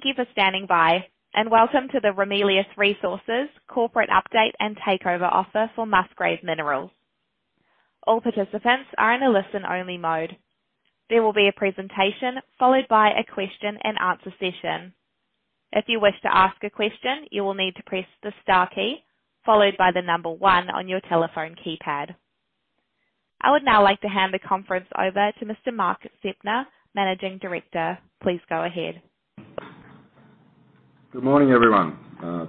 Thank you for standing by. Welcome to the Ramelius Resources corporate update and takeover offer for Musgrave Minerals. All participants are in a listen-only mode. There will be a presentation, followed by a question-and-answer session. If you wish to ask a question, you will need to press the star key, followed by number one on your telephone keypad. I would now like to hand the conference over to Mr. Mark Zeptner, Managing Director. Please go ahead. Good morning, everyone.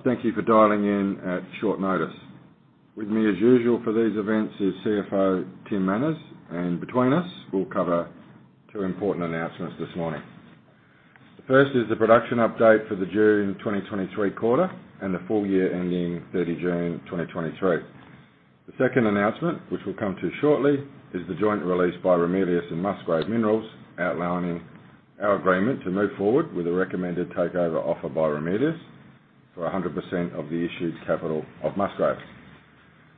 Thank you for dialing in at short notice. With me, as usual for these events, is CFO Tim Manners, and between us, we'll cover two important announcements this morning. The first is the production update for the June 2023 quarter and the full year ending 30 June 2023. The second announcement, which we'll come to shortly, is the joint release by Ramelius and Musgrave Minerals, outlining our agreement to move forward with a recommended takeover offer by Ramelius for 100% of the issued capital of Musgrave.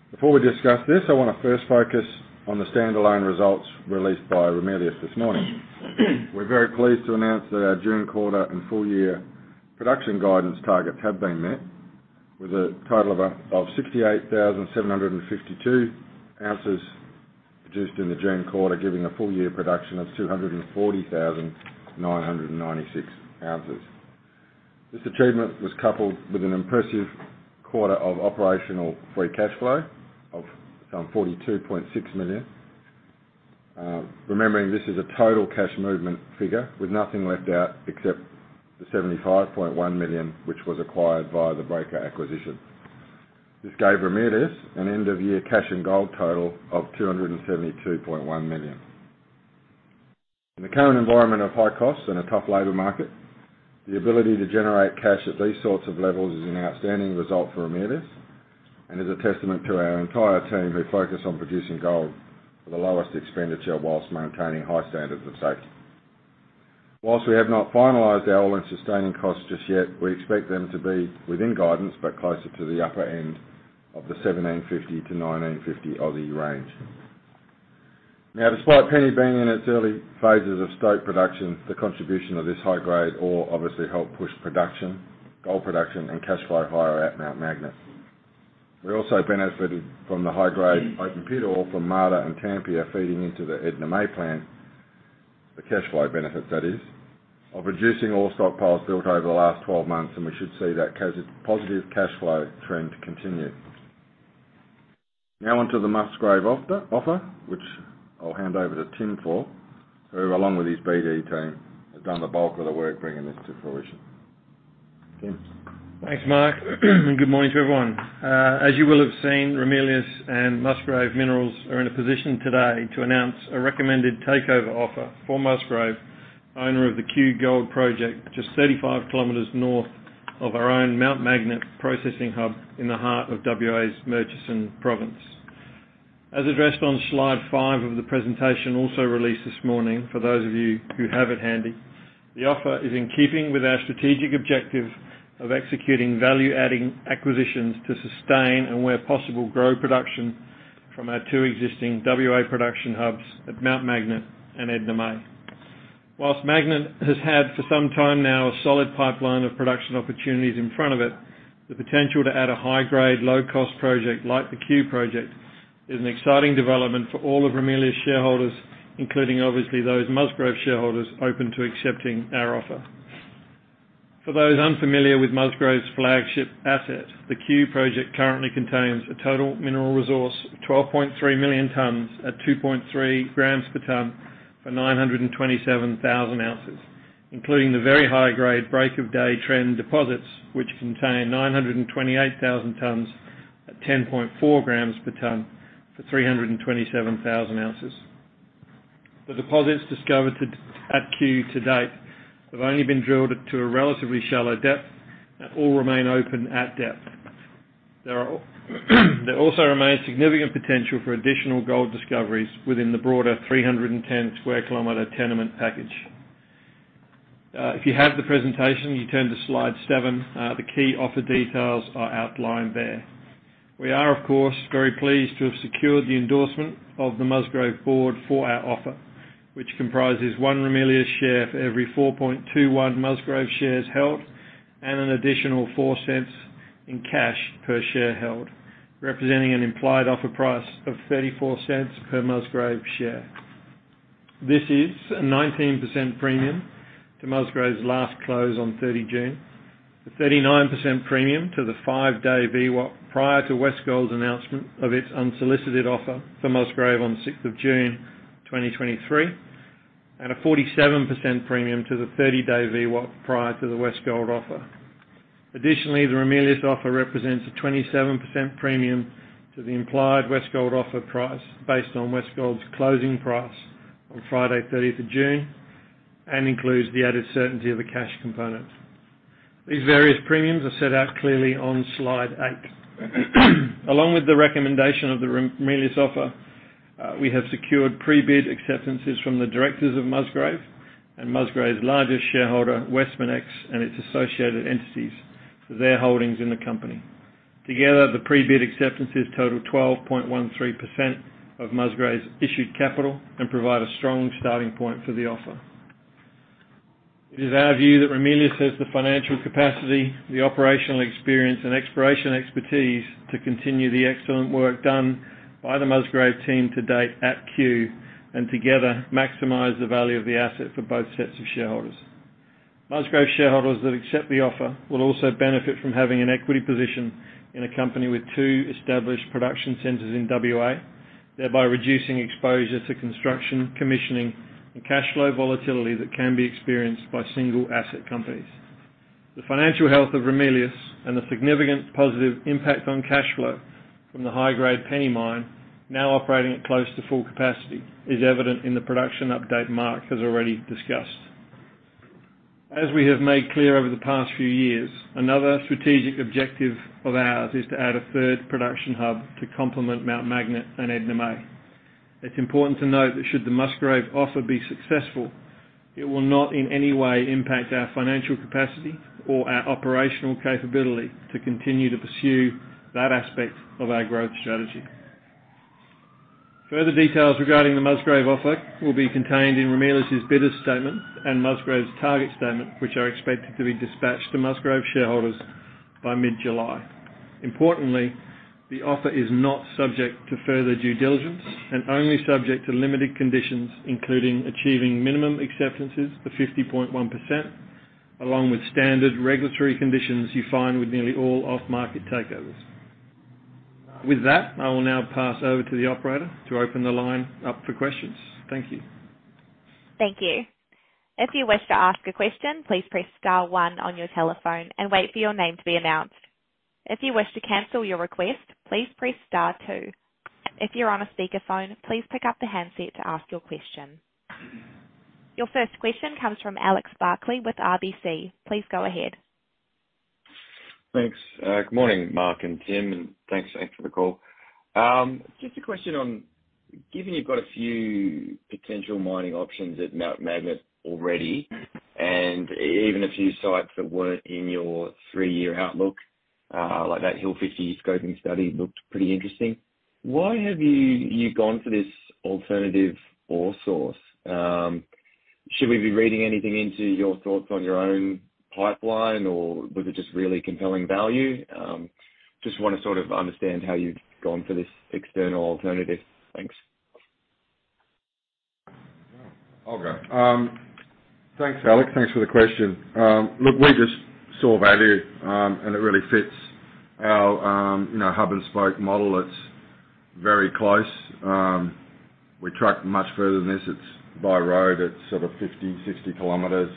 Before we discuss this, I want to first focus on the standalone results released by Ramelius this morning. We're very pleased to announce that our June quarter and full-year production guidance targets have been met with a total of 68,752 ounces produced in the June quarter, giving a full year production of 240,996 ounces. This achievement was coupled with an impressive quarter of operational free cash flow of some 42.6 million. Remembering this is a total cash movement figure with nothing left out except the 75.1 million, which was acquired via the Breaker acquisition. This gave Ramelius an end-of-year cash and gold total of 272.1 million. In the current environment of high costs and a tough labor market, the ability to generate cash at these sorts of levels is an outstanding result for Ramelius, and is a testament to our entire team who focus on producing gold for the lowest expenditure whilst maintaining high standards of safety. Whilst we have not finalized our all-in sustaining costs just yet, we expect them to be within guidance, but closer to the upper end of the 1,750-1,950 range. Despite Penny being in its early phases of stope production, the contribution of this high grade ore obviously helped push production, gold production, and cash flow higher at Mount Magnet. We also benefited from the high-grade open pit ore from Marda and Tampia feeding into the Edna May plant. The cash flow benefit, that is, of reducing all stockpiles built over the last 12 months, we should see that positive cash flow trend continue. On to the Musgrave offer, which I'll hand over to Tim for, who, along with his BD team, have done the bulk of the work bringing this to fruition. Tim? Thanks, Mark. Good morning to everyone. As you will have seen, Ramelius and Musgrave Minerals are in a position today to announce a recommended takeover offer for Musgrave, owner of the Cue Gold Project, just 35 km north of our own Mount Magnet processing hub in the heart of WA's Murchison Province. As addressed on slide five of the presentation, also released this morning, for those of you who have it handy, the offer is in keeping with our strategic objective of executing value-adding acquisitions to sustain and, where possible, grow production from our two existing WA production hubs at Mount Magnet and Edna May. Whilst Magnet has had, for some time now, a solid pipeline of production opportunities in front of it, the potential to add a high-grade, low-cost project like the Cue Project is an exciting development for all of Ramelius shareholders, including, obviously, those Musgrave shareholders open to accepting our offer. For those unfamiliar with Musgrave's flagship asset, the Cue Project currently contains a total Mineral Resource of 12.3 million tons at 2.3 grams per ton for 927,000 ounces, including the very high-grade Break of Day trend deposits, which contain 928,000 tons at 10.4 grams per ton for 327,000 ounces. The deposits discovered at Cue to date have only been drilled to a relatively shallow depth and all remain open at depth. There are... There also remains significant potential for additional gold discoveries within the broader 310 sq km tenement package. If you have the presentation, you turn to slide seven. The key offer details are outlined there. We are, of course, very pleased to have secured the endorsement of the Musgrave board for our offer, which comprises one Ramelius share for every 4.21 Musgrave shares held, and an additional 0.04 in cash per share held, representing an implied offer price of 0.34 per Musgrave share. This is a 19% premium to Musgrave's last close on 30 June, a 39% premium to the five-day VWAP, prior to Westgold's announcement of its unsolicited offer for Musgrave on June 6, 2023, and a 47% premium to the 30-day VWAP prior to the Westgold offer. Additionally, the Ramelius offer represents a 27% premium to the implied Westgold offer price, based on Westgold's closing price on Friday, 30th of June, and includes the added certainty of a cash component. These various premiums are set out clearly on slide eight. Along with the recommendation of the Ramelius offer, we have secured pre-bid acceptances from the directors of Musgrave and Musgrave's largest shareholder, Westminex, and its associated entities for their holdings in the company. Together, the pre-bid acceptances total 12.13% of Musgrave's issued capital and provide a strong starting point for the offer. It is our view that Ramelius has the financial capacity, the operational experience, and exploration expertise to continue the excellent work done by the Musgrave team to date at Cue, and together maximize the value of the asset for both sets of shareholders. Musgrave shareholders that accept the offer will also benefit from having an equity position in a company with two established production centers in WA, thereby reducing exposure to construction, commissioning, and cash flow volatility that can be experienced by single asset companies. The financial health of Ramelius and the significant positive impact on cash flow from the high-grade Penny Mine, now operating at close to full capacity, is evident in the production update Mark has already discussed. As we have made clear over the past few years, another strategic objective of ours is to add a third production hub to complement Mt Magnet and Edna May. It's important to note that should the Musgrave offer be successful, it will not in any way impact our financial capacity or our operational capability to continue to pursue that aspect of our growth strategy. Further details regarding the Musgrave offer will be contained in Ramelius' Bidder's Statement and Musgrave's Target's Statement, which are expected to be dispatched to Musgrave shareholders by mid-July. The offer is not subject to further due diligence and only subject to limited conditions, including achieving minimum acceptances of 50.1%, along with standard regulatory conditions you find with nearly all off-market takeovers. I will now pass over to the operator to open the line up for questions. Thank you. Thank you. If you wish to ask a question, please press star one on your telephone and wait for your name to be announced. If you wish to cancel your request, please press star two. If you're on a speakerphone, please pick up the handset to ask your question. Your first question comes from Alex Barkley with RBC. Please go ahead. Thanks. Good morning, Mark and Tim, and thanks again for the call. Just a question on, given you've got a few potential mining options at Mt Magnet already, and even a few sites that weren't in your three-year outlook, like that Hill 50 Scoping Study looked pretty interesting. Why have you gone for this alternative ore source? Should we be reading anything into your thoughts on your own pipeline, or was it just really compelling value? Just want to sort of understand how you've gone for this external alternative. Thanks. I'll go. Thanks, Alex. Thanks for the question. Look, we just saw value, and it really fits our, you know, hub-and-spoke model. It's very close. We truck much further than this. It's by road, it's sort of 50, 60 km.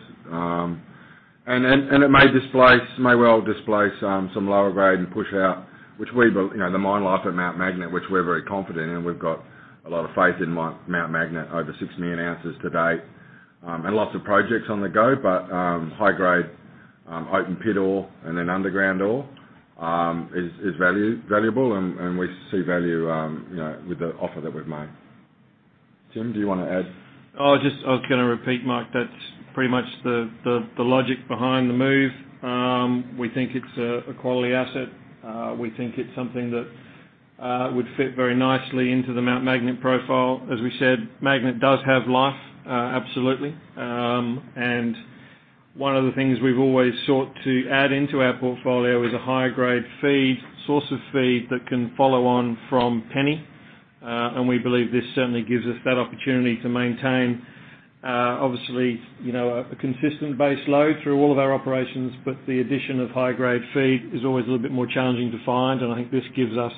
It may displace, may well displace some lower grade and push out, which we, but, you know, the mine life at Mount Magnet, which we're very confident in. We've got a lot of faith in Mount Magnet, over 6 million ounces to date, and lots of projects on the go. High-grade, open pit ore and then underground ore, is valuable, and we see value, you know, with the offer that we've made. Tim, do you want to add? I was gonna repeat, Mark. That's pretty much the logic behind the move. We think it's a quality asset. We think it's something that would fit very nicely into the Mt Magnet profile. As we said, Mt Magnet does have life, absolutely. One of the things we've always sought to add into our portfolio is a higher grade feed, source of feed that can follow on from Penny. We believe this certainly gives us that opportunity to maintain, obviously, you know, a consistent base load through all of our operations. The addition of high-grade feed is always a little bit more challenging to find, and I think this gives us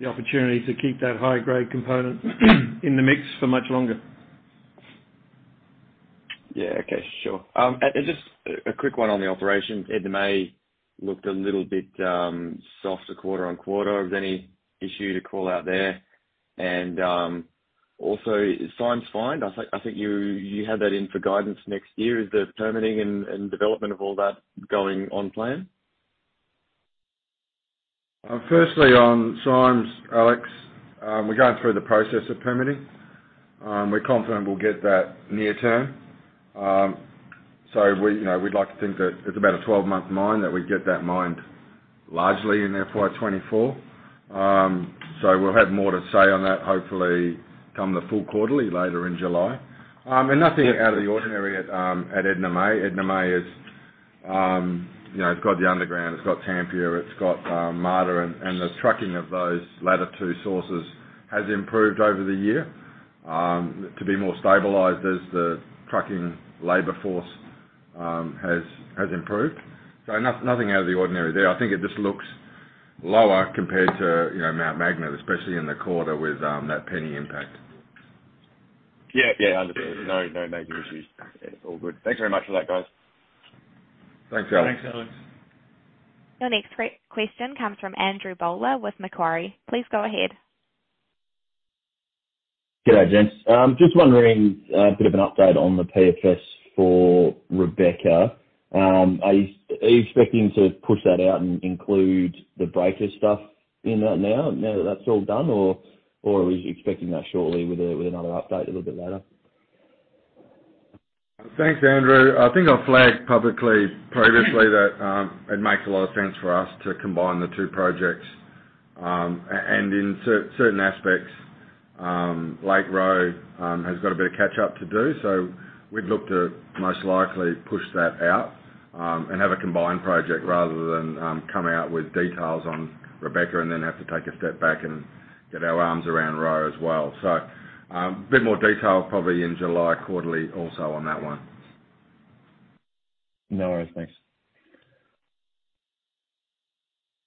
the opportunity to keep that high-grade component in the mix for much longer. Yeah. Okay, sure. Just a quick one on the operation. Edna May looked a little bit softer quarter-on-quarter. Is there any issue to call out there? Also, Symes' Find, I think you had that in for guidance next year. Is the permitting and development of all that going on plan? Firstly, on Symes, Alex, we're going through the process of permitting. We're confident we'll get that near-term. We, you know, we'd like to think that it's about a 12-month mine, that we'd get that mined largely in FY 2024. We'll have more to say on that, hopefully, come the full quarterly, later in July. Nothing out of the ordinary at Edna May. Edna May is, you know, it's got the underground, it's got Tampia, it's got Marda, and the trucking of those latter two sources has improved over the year to be more stabilized as the trucking labor force has improved. Nothing out of the ordinary there. I think it just looks lower compared to, you know, Mt Magnet, especially in the quarter with that Penny impact. Yeah, understood. No, no major issues. It's all good. Thanks very much for that, guys. Thanks, Alex. Thanks, Alex. Your next question comes from Andrew Bowler with Macquarie. Please go ahead. Good day, gents. Just wondering, a bit of an update on the PFS for Rebecca. Are you expecting to push that out and include the breaker stuff in that now that that's all done? Are we expecting that shortly with another update a little bit later? Thanks, Andrew. I think I've flagged publicly previously that, it makes a lot of sense for us to combine the two projects. And in certain aspects, Lake Roe, has got a bit of catch-up to do, so we'd look to most likely push that out, and have a combined project rather than, come out with details on Rebecca, and then have to take a step back and get our arms around Roe as well. So, a bit more detail, probably in July quarterly, also on that one. No worries. Thanks.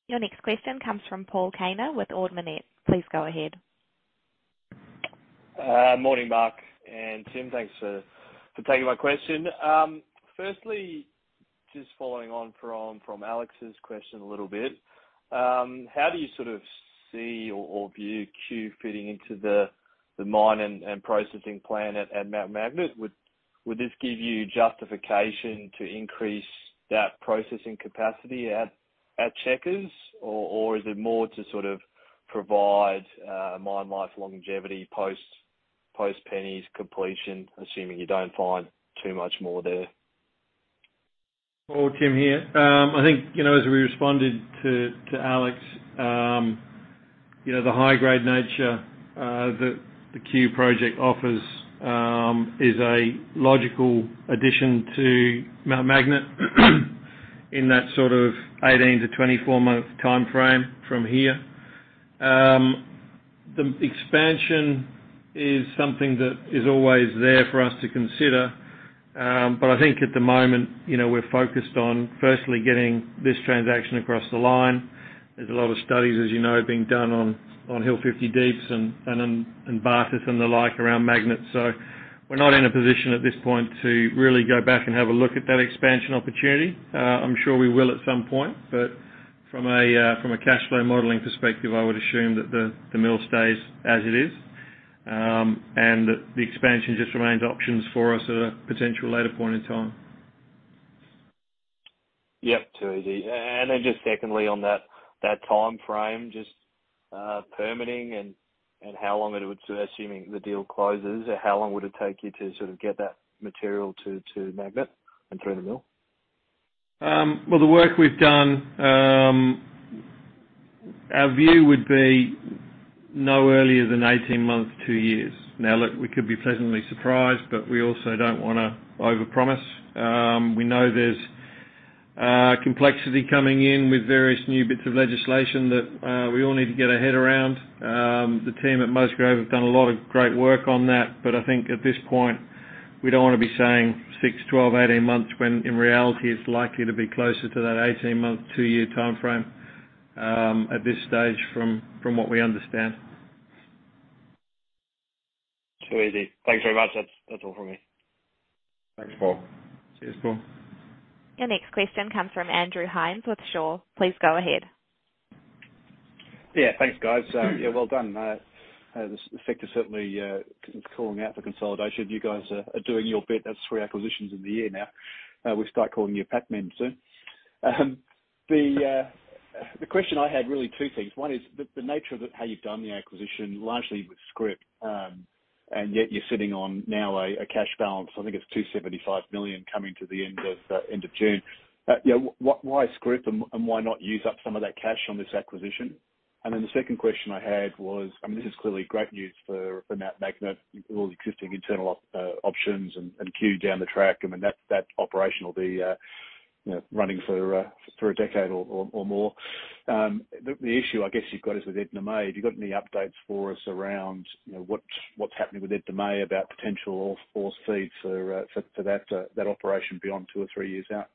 Your next question comes from Paul Kaner with Ord Minnett. Please go ahead. Morning, Mark and Tim. Thanks for taking my question. Firstly, just following on from Alex's question a little bit, how do you sort of see or view Cue fitting into the mine and processing plan at Mount Magnet? Would this give you justification to increase that processing capacity at Checkers? Or is it more to sort of provide mine life longevity, post Penny completion, assuming you don't find too much more there? Tim here. I think, you know, as we responded to Alex, you know, the high grade nature that the Cue Project offers is a logical addition to Mt Magnet, in that sort of 18-24 month time frame from here. The expansion is something that is always there for us to consider, I think at the moment, you know, we're focused on firstly, getting this transaction across the line. There's a lot of studies, as you know, being done on Hill 50 Deeps and on, and Bartus and the like, around Magnet. We're not in a position at this point to really go back and have a look at that expansion opportunity. I'm sure we will at some point, but from a cash flow modeling perspective, I would assume that the mill stays as it is. The expansion just remains options for us at a potential later point in time. Yep, too easy. Then just secondly, on that time frame, just permitting and, assuming the deal closes, how long would it take you to sort of get that material to Magnet and through the mill? Well, the work we've done, our view would be no earlier than 18 months, two years. Look, we could be pleasantly surprised, but we also don't wanna overpromise. We know there's complexity coming in with various new bits of legislation that we all need to get our head around. The team at Musgrave have done a lot of great work on that, but I think at this point, we don't wanna be saying six, 12, 18 months, when in reality, it's likely to be closer to that 18-month, two-year time frame, at this stage, from what we understand. Too easy. Thanks very much. That's all from me. Thanks, Paul. Cheers, Paul. Your next question comes from Andrew Hines with Shaw. Please go ahead. Thanks, guys. Well done. This effect is certainly calling out for consolidation. You guys are doing your bit. That's three acquisitions in the year now. We'll start calling you Pac-Man soon. The question I had, really two things. One is the nature of the, how you've done the acquisition, largely with scrip, and yet you're sitting on now a cash balance, I think it's 275 million, coming to the end of June. Why scrip, and why not use up some of that cash on this acquisition? Then the second question I had was, I mean, this is clearly great news for Mt Magnet, all the existing internal options and Cue down the track, I mean, that operation will be, you know, running for a decade or more. The issue, I guess you've got, is with Edna May. Have you got any updates for us around, you know, what's happening with Edna May, about potential ore feed for that operation beyond two or three years out?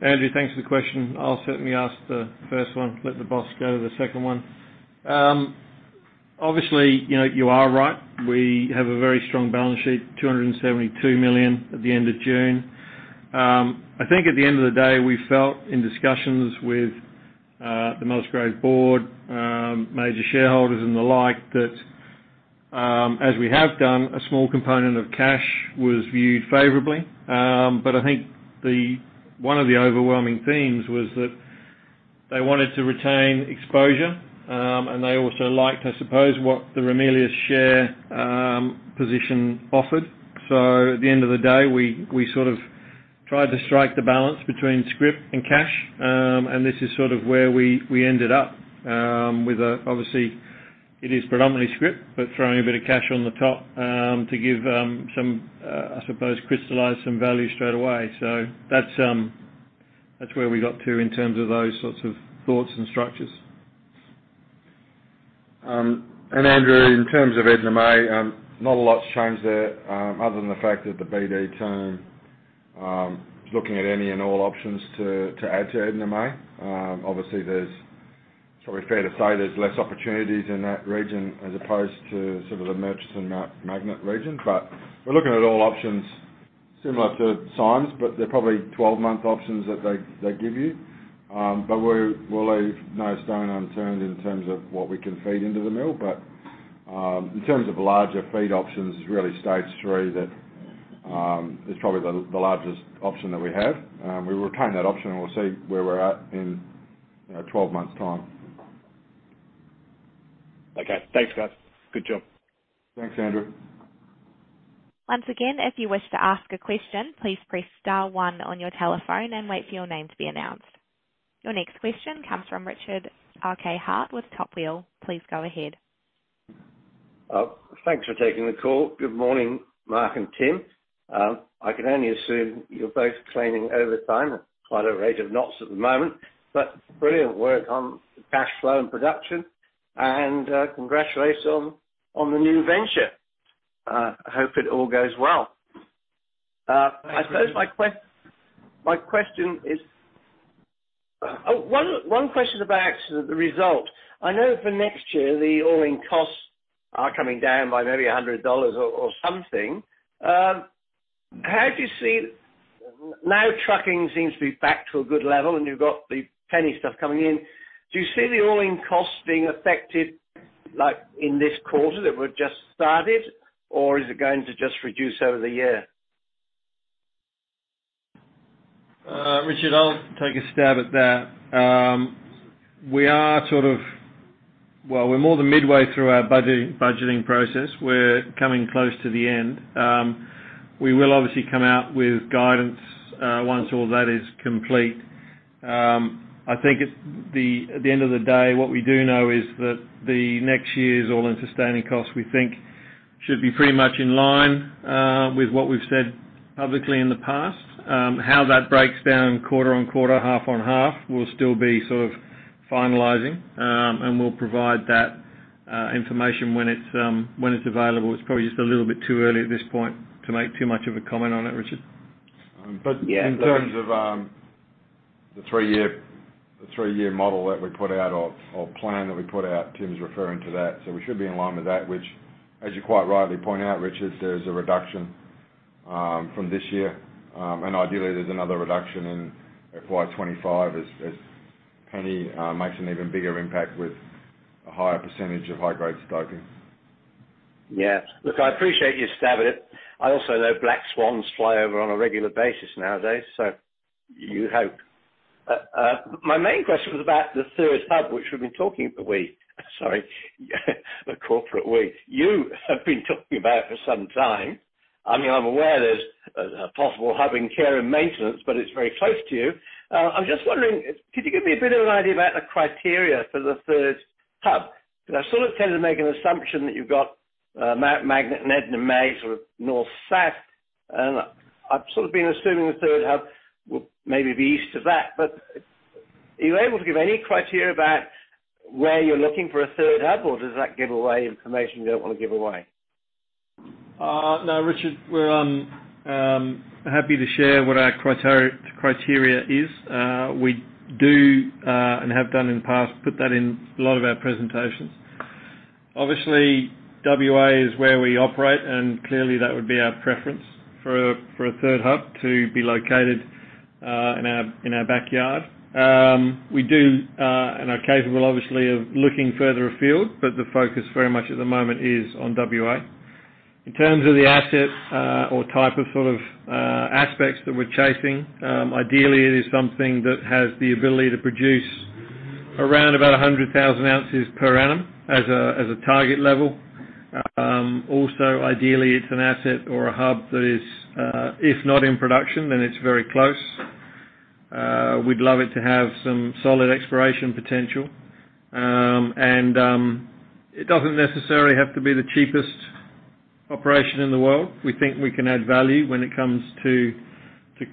Andrew, thanks for the question. I'll certainly ask the first one, let the boss go to the second one. Obviously, you know, you are right. We have a very strong balance sheet, 272 million at the end of June. I think at the end of the day, we felt in discussions with the Musgrave board, major shareholders and the like, that, as we have done, a small component of cash was viewed favorably. But I think one of the overwhelming themes was that they wanted to retain exposure, and they also liked, I suppose, what the Ramelius share position offered. At the end of the day, we sort of tried to strike the balance between scrip and cash. This is sort of where we ended up, with a, obviously, it is predominantly scrip, but throwing a bit of cash on the top, to give, some, I suppose crystallize some value straight away. That's where we got to in terms of those sorts of thoughts and structures. Andrew, in terms of Edna May, not a lot's changed there, other than the fact that the BD team, looking at any and all options to add to Edna May. Obviously, there's, it's probably fair to say there's less opportunities in that region, as opposed to sort of the Murchison Mount Magnet region. We're looking at all options similar to Symes, but they're probably 12-month options that they give you. We'll leave no stone unturned in terms of what we can feed into the mill. In terms of larger feed options, it's really Stage 3 that is probably the largest option that we have. We will retain that option, and we'll see where we're at in, you know, 12 months' time. Okay, thanks, guys. Good job. Thanks, Andrew. Once again, if you wish to ask a question, please press star one on your telephone and wait for your name to be announced. Your next question comes from Richard R.K. Hart with Top Wheel. Please go ahead. Thanks for taking the call. Good morning, Mark and Tim. I can only assume you're both claiming overtime at quite a rate of knots at the moment. Brilliant work on cash flow and production, and congratulations on the new venture. I hope it all goes well. I suppose my question is. Oh, one question about actually the result. I know for next year, the all-in costs are coming down by maybe 100 dollars or something. Now, trucking seems to be back to a good level, and you've got the Penny stuff coming in. Do you see the all-in costs being affected, like, in this quarter, that we've just started? Or is it going to just reduce over the year? Richard, I'll take a stab at that. We are sort of... Well, we're more than midway through our budgeting process. We're coming close to the end. We will obviously come out with guidance once all that is complete. I think it's, at the end of the day, what we do know is that the next year's all-in sustaining costs, we think, should be pretty much in line with what we've said publicly in the past. How that breaks down quarter on quarter, half on half, will still be sort of finalizing. We'll provide that information when it's available. It's probably just a little bit too early at this point to make too much of a comment on it, Richard. In terms of the three-year model that we put out or plan that we put out, Tim's referring to that. We should be in line with that, which, as you quite rightly point out, Richard, there's a reduction from this year. Ideally, there's another reduction in FY 2025, as Penny makes an even bigger impact with a higher percentage of high-grade stoping. Yeah. Look, I appreciate your stab at it. I also know black swans fly over on a regular basis nowadays, so you hope. My main question was about the third hub, which we've been talking for weeks. You have been talking about for some time. I mean, I'm aware there's a possible hub in care and maintenance, but it's very close to you. I'm just wondering, could you give me a bit of an idea about the criteria for the third hub? Because I sort of tend to make an assumption that you've got Mt Magnet and Edna May, sort of north, south, and I've sort of been assuming the third hub will maybe be east of that. Are you able to give any criteria about where you're looking for a third hub, or does that give away information you don't want to give away? No, Richard, we're happy to share what our criteria is. We do and have done in the past, put that in a lot of our presentations. Obviously, WA is where we operate, and clearly, that would be our preference for a third hub to be located in our in our backyard. We do and are capable, obviously, of looking further afield, but the focus very much at the moment is on WA. In terms of the asset or type of sort of aspects that we're chasing, ideally, it is something that has the ability to produce around about 100,000 ounces per annum as a target level. Also, ideally, it's an asset or a hub that is, if not in production, then it's very close. We'd love it to have some solid exploration potential. It doesn't necessarily have to be the cheapest operation in the world. We think we can add value when it comes to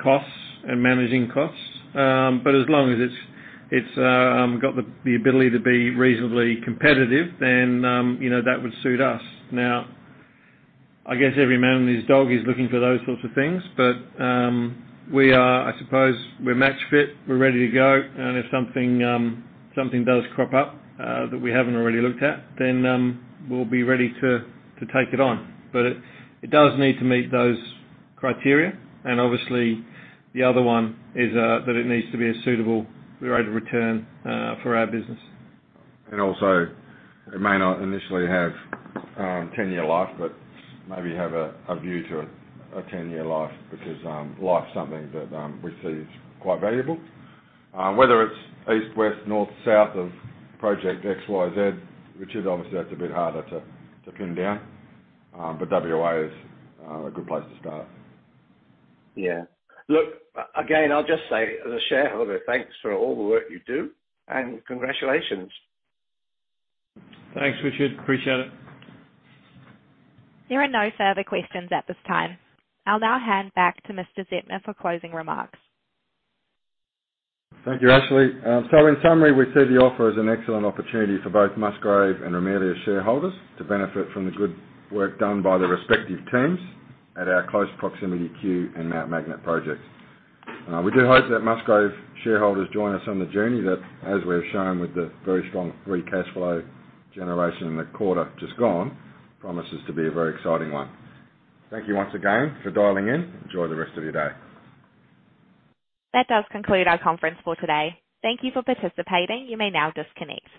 costs and managing costs. As long as it's got the ability to be reasonably competitive, you know, that would suit us. I guess every man and his dog is looking for those sorts of things, we are, I suppose we're match fit, we're ready to go, if something does crop up that we haven't already looked at, we'll be ready to take it on. It does need to meet those criteria, obviously, the other one is that it needs to be a suitable rate of return for our business. Also, it may not initially have 10-year life, but maybe have a view to a 10-year life, because life is something that we see is quite valuable. Whether it's east, west, north, south of project XYZ, which is obviously that's a bit harder to pin down, but WA is a good place to start. Yeah. Look, again, I'll just say, as a shareholder, thanks for all the work you do, and congratulations. Thanks, Richard. Appreciate it. There are no further questions at this time. I'll now hand back to Mr. Zeptner for closing remarks. Thank you, Ashley. In summary, we see the offer as an excellent opportunity for both Musgrave and Ramelius shareholders to benefit from the good work done by the respective teams at our close proximity Cue and Mt Magnet projects. We do hope that Musgrave shareholders join us on the journey that, as we've shown with the very strong free cash flow generation in the quarter just gone, promises to be a very exciting one. Thank you once again for dialing in. Enjoy the rest of your day. That does conclude our conference for today. Thank you for participating. You may now disconnect.